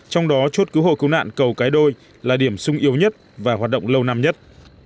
trong đó chốt cứu hộ cứu nạn cầu cái đôi là điểm sung yếu nhất và hoạt động lâu năm nhất